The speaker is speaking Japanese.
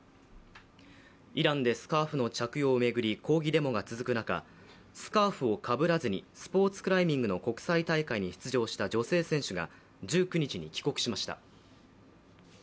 イランでスカーフの着用を巡り抗議デモが続く中、スカーフをかぶらずにスポーツクライミングの国際大会に出場した女性選手が１９日に帰国しました。